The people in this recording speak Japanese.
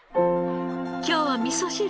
今日はみそ汁？